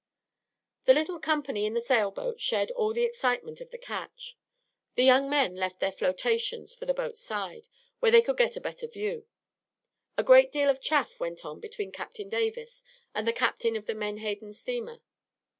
The little company in the sail boat shared all the excitement of the catch. The young men left their flirtations for the boat's side, where they could get a better view. A great deal of chaff went on between Captain Davis and the captain of the menhaden steamer.